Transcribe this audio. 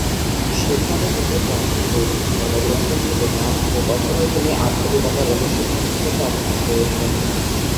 সেখানে তিনি প্রাচীন বৈদিক ধর্মগ্রন্থ খুঁজে পান ও তখনই তিনি আধ্যাত্মিকতার রহস্য উন্মোচন করতে আগ্রহী হয়ে ওঠেন।